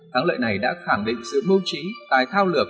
thắng lợi này đã khẳng định sự mưu trí tài thao lược